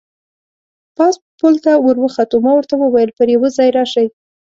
پاس پل ته ور وخوتو، ما ورته وویل: پر یوه ځای راشئ.